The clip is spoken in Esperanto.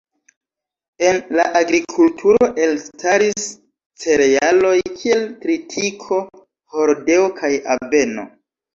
En la agrikulturo elstaris cerealoj kiel tritiko, hordeo kaj aveno.